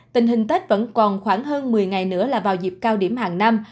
tình hình tết vẫn còn khoảng hơn một mươi ngày nữa là vào dịp cao điểm hàng năm